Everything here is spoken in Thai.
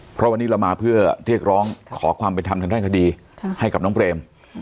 เพราะวันนี้เรามาเพื่อเรียกร้องขอความเป็นธรรมทางด้านคดีให้กับน้องเปรม